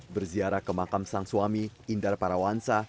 berziarah ke makam sang suami indar parawansa